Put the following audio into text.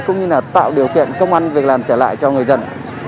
cũng như là tạo điều kiện công an việc làm trở lại cho người dân